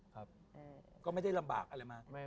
ครับก็ไม่ได้ลำบากอะไรมาก